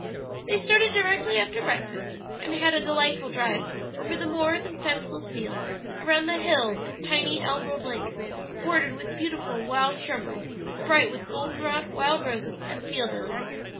They started directly after breakfast, and had a delightful drive over the moors and fenceless fields, around the hills and tiny emerald lakes bordered with beautiful wild shrubbery, bright with golden rod, wild roses, and field lilies.